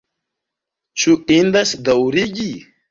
Ĉu indas daŭrigi?